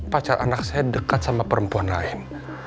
pacar anak saya dekat sama perempuan lain